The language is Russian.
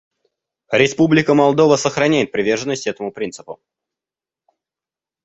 Республика Молдова сохраняет приверженность этому принципу.